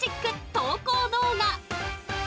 投稿動画。